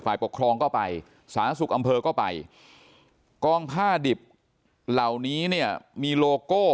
ฝ่ายปกครองก็ไปสถานศักดิ์สุขอำเภอก็ไปกองพ่าดิบเหล่านี้เนี่ยมีโลโก้